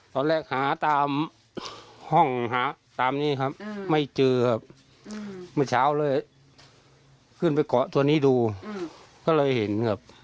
ตอนแรกหาตามห้องหาตามนี้ครับไม่เจอครับเมื่อเช้าเลยขึ้นไปเกาะตัวนี้ดูก็เลยเห็นครับ